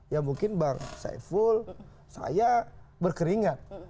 ya mungkin bang saya full saya berkeringat